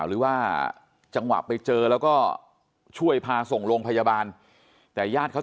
หรือว่าจังหวะไปเจอแล้วก็ช่วยพาส่งโรงพยาบาลแต่ญาติเขา